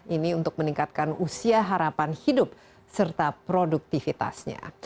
ini untuk meningkatkan usia harapan hidup serta produktivitasnya